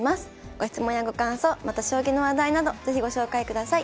ご質問やご感想また将棋の話題など是非ご紹介ください。